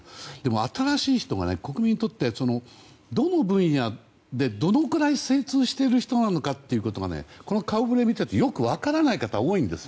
新しい人が、国民にとってどの分野でどのくらい精通している人なのかこの顔ぶれを見ているとよく分からない方が多いんです。